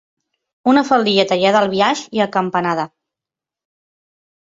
Una faldilla tallada al biaix i acampanada.